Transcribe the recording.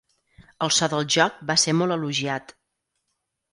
El so del joc va ser molt elogiat.